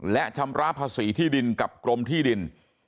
และชำระภาษีที่ดินกับกรมที่ดิน